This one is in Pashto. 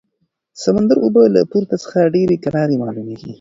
د سمندر اوبه له پورته څخه ډېرې کرارې معلومېدې.